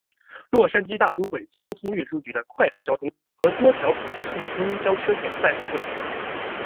洛杉矶大都会交通运输局的快速公交和多条普速公交车线路在此汇集。